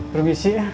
permisi ya tir